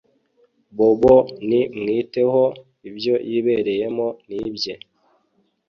bobo ni mwiteho ibyo yibereyemo nibye